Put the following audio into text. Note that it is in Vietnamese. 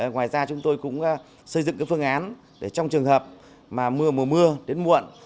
ngoài ra chúng tôi cũng xây dựng phương án để trong trường hợp mà mưa mùa mưa đến muộn